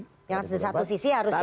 yang satu sisi harus siap berkontestasi